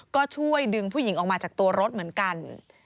ก็ช่วยดึงผู้หญิงออกมาจากตัวรถเหมือนกัน